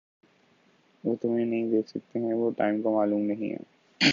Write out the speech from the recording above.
وہ تمہیں نہیں دیکھ سکتے ہیں وہ ٹام کو معلوم نہیں ہے